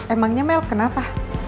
emangnya mel kenapa